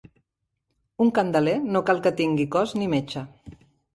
Un candeler no cal que tingui cos ni metxa.